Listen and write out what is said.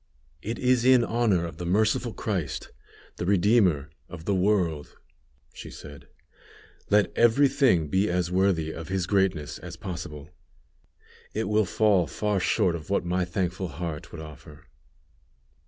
"It is in honor of the Merciful Christ the Redeemer of the world," she said; "let every thing be as worthy of His greatness as possible; it will fall far short of what my thankful heart would offer."